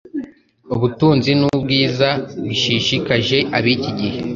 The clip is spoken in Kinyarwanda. ubutunzi nubwiza bishishikaje ibikigihe